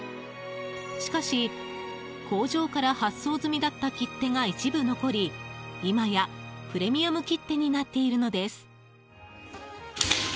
しかし、工場から発送済みだった切手が一部残り今や、プレミアム切手になっているのです。